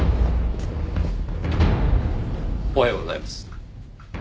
おはようございます。